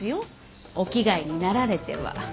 お着替えになられては。